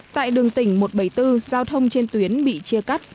tại đường tỉnh một trăm bảy mươi bốn giao thông trên tuyến bị chia cắt